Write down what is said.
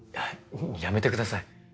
やめてください。